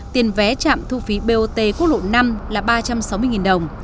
tiền vé trạm thu phí bot quốc lộ năm là ba trăm sáu mươi đồng